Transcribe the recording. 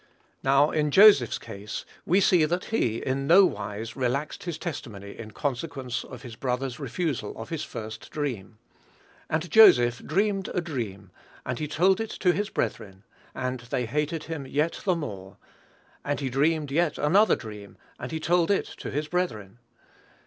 Now, in Joseph's case, we see that he, in no wise, relaxed his testimony in consequence of his brethren's refusal of his first dream. "And Joseph dreamed a dream, and he told it to his brethren," and they hated him yet the more.... "And he dreamed yet another dream, and he told it to his brethren."